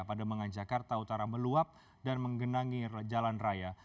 pada menganjak karta utara meluap dan menggenangi jalan raya